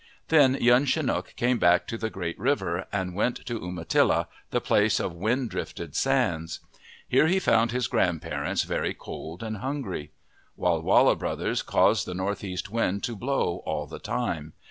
Then Young Chinook came back to the Great River and went to Umatilla, the place of wind drifted sands. Here he found his grandparents very cold and hungry. Walla Walla brothers caused the north east wind to blow all the time.